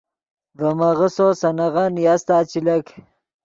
ڤے میغسّو سے نغن نیاستا چے لک